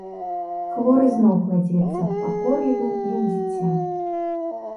Хворы зноў кладзецца, пакорлівы, як дзіця.